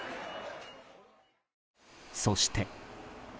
そして。